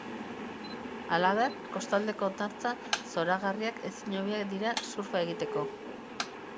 Halaber, kostaldeko hondartza zoragarriak ezin hobeak dira surfa egiteko.